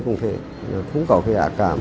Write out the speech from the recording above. cũng có cái ả cảm